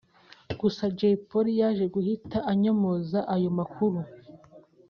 Gusa Jay Polly yaje guhita anyomoza ayo makuru